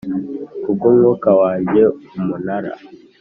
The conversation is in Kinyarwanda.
ku bw umwuka wanjye Umunara